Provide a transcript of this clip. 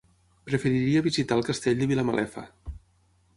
Preferiria visitar el Castell de Vilamalefa.